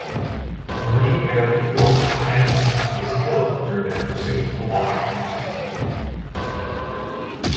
Marine Eric "Goat" Fantom is killed during their pursuit, along with the creature.